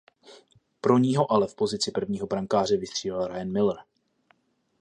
Po ní ho ale v pozici prvního brankáře vystřídal Ryan Miller.